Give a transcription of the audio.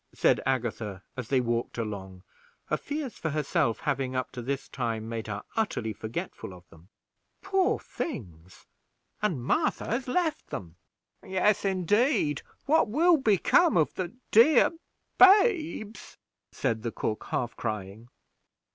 said Agatha, as they walked along, her fears for herself having up to this time made her utterly forgetful of them. "Poor things! and Martha has left them." "Yes, indeed; what will become of the dear babes?" said the cook, half crying.